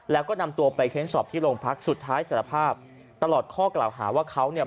แล้วก็นำตัวไปเค้นสอบที่โรงพักสุดท้ายสารภาพตลอดข้อกล่าวหาว่าเขาเนี่ย